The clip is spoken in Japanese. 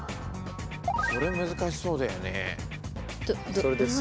それ難しそうだよね。